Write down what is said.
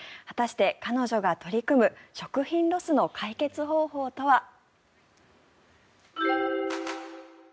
果たして彼女が取り組む食品ロスの解決方法とは。